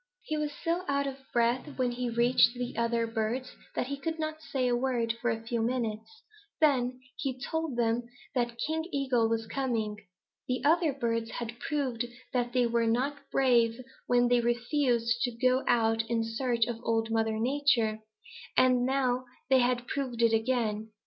"He was so out of breath when he reached the other birds that he couldn't say a word for a few minutes. Then he told them that King Eagle was coming. The other birds had proved that they were not brave when they had refused to go out in search of Old Mother Nature, and now they proved it again.